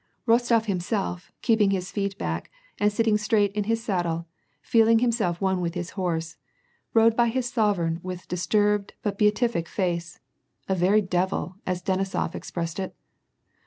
Rostof himself, keeping his feet back, and sitting straight in his saddle, feeling himself one with his horse, rode by his sovereign with disturbed but beatific face ;" a very devil,*' as Denisof expressed it.